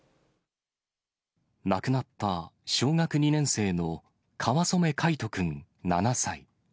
亡くなった小学２年生の、川染凱仁君７歳。